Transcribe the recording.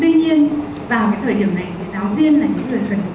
với những khi giáo viên nó không hiểu nó về chương trình